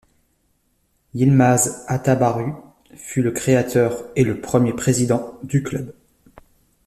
Yılmaz Atabarut fut le créateur et le premier président du club.